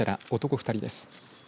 ２人です。